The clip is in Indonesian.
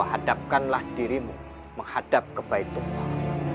menghadapkanlah dirimu menghadap kebaik tuhan